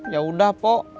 ya udah po